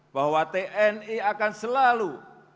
bahwa tni akan selalu